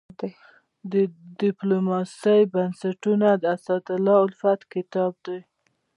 د ډيپلوماسي بنسټونه د اسدالله الفت کتاب دی.